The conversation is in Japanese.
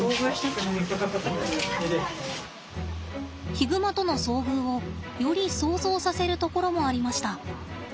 ヒグマとの遭遇をより想像させるところもありました。